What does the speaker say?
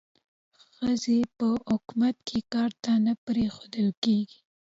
ښځې په حکومت کې کار ته نه پریښودل کېږي.